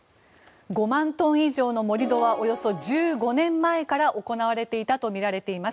５万トン以上の盛り土はおよそ１５年前から行われていたとみられています。